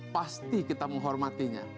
pasti kita menghormatinya